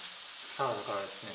サラダからですね